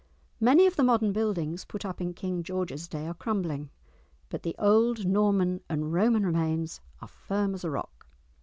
Many of the modern buildings put up in King George's day are crumbling, but the old Norman and Roman remains are firm as a rock!